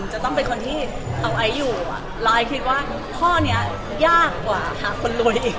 จะต้องเป็นคนที่เอาไออยู่แล้วไอคิดว่าพอเนี่ยยากกว่าหาคนรวยเอง